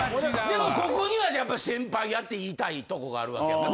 でもここには先輩やって言いたいとこがあるわけやな。